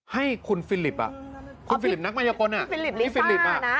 ให้คุณฟิลริปอ่ะกูฟิลริปนักมายกร